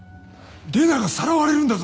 麗奈がさらわれるんだぞ！